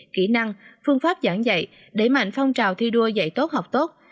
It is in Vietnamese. kỹ năng phương pháp giảng dạy đẩy mạnh phong trào thi đua dạy tốt học tốt